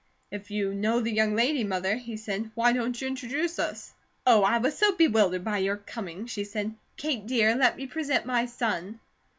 "If you know the young lady, Mother," he said, "why don't you introduce us?" "Oh, I was so bewildered by your coming," she said. "Kate, dear, let me present my son."